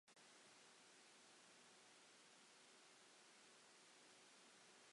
Welsoch chi erioed y fath gyfnewidiad.